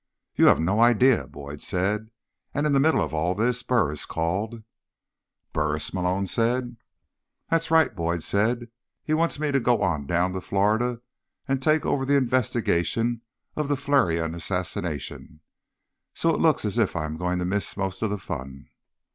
"You have no idea," Boyd said. "And in the middle of all this, Burris called." "Burris?" Malone said. "That's right," Boyd said. "He wants me to go on down to Florida and take over the investigation of the Flarion assassination. So it looks as if I'm going to miss most of the fun."